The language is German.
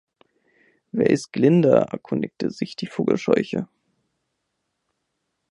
Wer ist Glinda? erkundigte sich die Vogelscheuche.